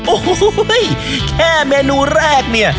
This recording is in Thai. โอ้โหแค่เมนูแรกเนี่ย